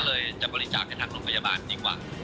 เลยจะบริจาคให้ทางโรงพยาบาลดีกว่า